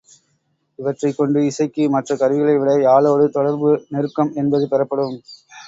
இவற்றைக் கொண்டு, இசைக்கு, மற்ற கருவிகளைவிட யாழோடு தொடர்பு நெருக்கம் என்பது பெறப்படும்.